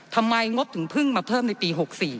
ทำไมงบถึงเพิ่มมาเพิ่มในปี๖๔